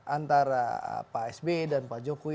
antara pak sb dan pak jokowi